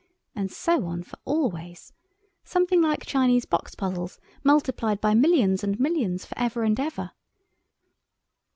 and so on for always—something like Chinese puzzle boxes multiplied by millions and millions for ever and ever.